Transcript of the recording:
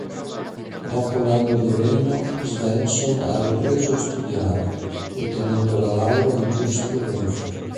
Dopo l'anno di regno, Svensson ha ripreso a studiare, ottenendo la laurea in giurisprudenza.